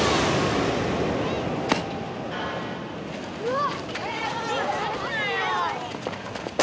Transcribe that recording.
うわっ！